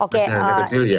pasti presentasinya kecil ya